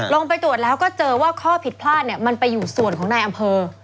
ไปตรวจแล้วก็เจอว่าข้อผิดพลาดมันไปอยู่ส่วนของนายอำเภอ